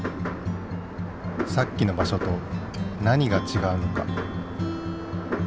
さっきの場所と何がちがうのか？